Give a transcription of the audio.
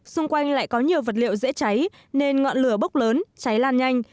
xung quanh lại có nhiều vật liệu dễ cháy nên ngọn lửa bốc lớn cháy lan nhanh